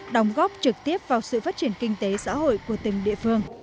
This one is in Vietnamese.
đóng góp trực tiếp vào sự phát triển kinh tế xã hội của từng địa phương